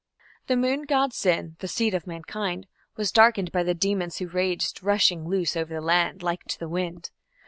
The moon god Sin, "the seed of mankind", was darkened by the demons who raged, "rushing loose over the land" like to the wind.